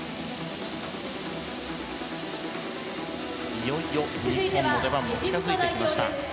いよいよ日本の出番が近づいてきました。